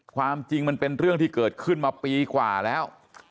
ความจริงมันเป็นเรื่องที่เกิดขึ้นมาปีกว่าแล้ว